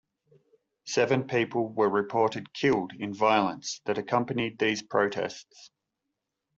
Seven people were reported killed in violence that accompanied these protests.